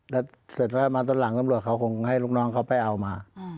แล้วเสร็จแล้วมาตอนหลังตำรวจเขาคงให้ลูกน้องเขาไปเอามา